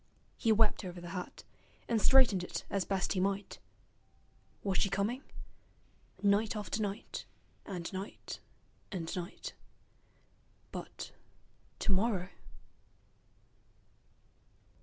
He wept over the hat, and straightened it as best he might. Was she coming? Night after night, and night and night. But tomorrow....